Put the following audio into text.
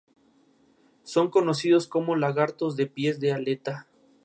Es posible que su componente feminista fuese en contra de su popularidad.